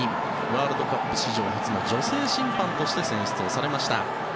ワールドカップ史上初の女性審判として選出をされました。